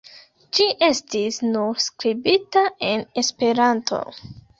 Ĝi estis nur skribita en Esperanto.